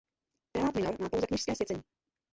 Prelát minor má pouze kněžské svěcení.